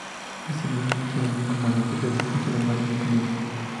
Los alienígenas no tienen un comandante pero su función es más independiente.